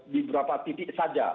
di beberapa titik saja